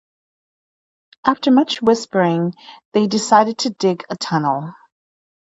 After much whispering, they decided to dig a tunnel.